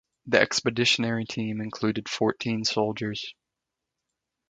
The expeditionary team included fourteen soldiers.